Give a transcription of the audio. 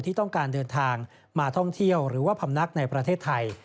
ที่ต้องการเดินทางมาท่องเที่ยวหรือว่าพำนักในประเทศไทย